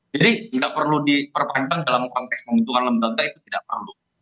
jadi tidak perlu diperpanjang dalam konteks pembentukan lembaga itu tidak perlu